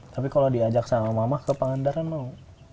tapi kalau diajak sama mama ke pangandaran mau